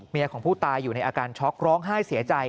ของผู้ตายอยู่ในอาการช็อกร้องไห้เสียใจ